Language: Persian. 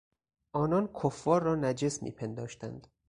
آنان کفار را نجس میپنداشتند.